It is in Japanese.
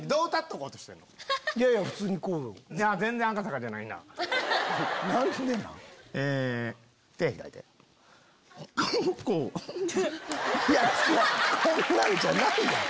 こんなんじゃないやん！